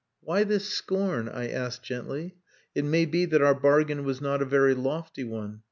"Why this scorn?" I asked gently. "It may be that our bargain was not a very lofty one.